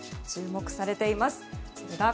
注目されています。